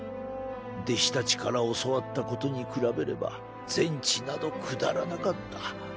弟子たちから教わったことに比べれば全知などくだらなかった。